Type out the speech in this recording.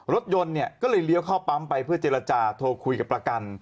รถยนต์เนี่ยก็เลยเลี้ยวเข้าปั๊มไปเพื่อเจรจาโทรคุยกับประกัน